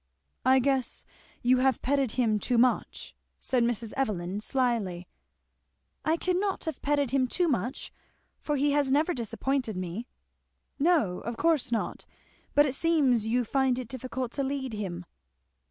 "I guess you have petted him too much," said Mrs. Evelyn slyly. "I cannot have petted him too much, for he has never disappointed me." "No of course not; but it seems you find it difficult to lead him."